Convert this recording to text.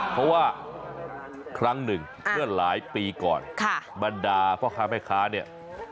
เพราะว่าครั้งหนึ่งเมื่อหลายปีก่อนบรรดาพ่อค้าแม่ค้าเนี่ย